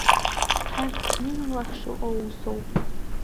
Ҳарҭ зны-зынла ҳшыҟоу усоуп.